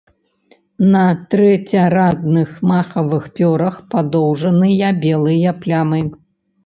На трэцярадных махавых пёрах падоўжаныя белыя плямы.